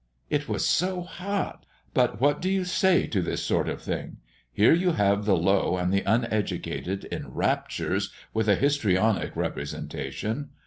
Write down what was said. "It was so hot. But what do you say to this sort of thing? Here you have the low and the uneducated in raptures with a histrionic representation.